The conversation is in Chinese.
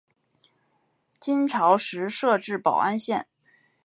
金朝时设置保安县。